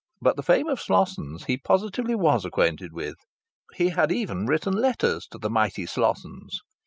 but the fame of Slossons he positively was acquainted with! He had even written letters to the mighty Slossons.